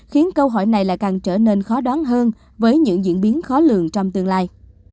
khiến câu hỏi này lại càng trở nên khó đoán hơn với những diễn biến khó lường trong tương lai